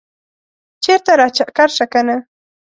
چرته راچکر شه کنه